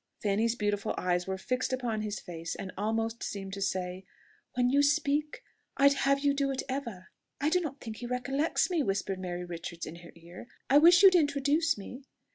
Fanny's beautiful eyes were fixed upon his face, and almost seemed to say, "When you speak, I'd have you do it ever." "I do not think he recollects me," whispered Mary Richards in her ear: "I wish you'd introduce me."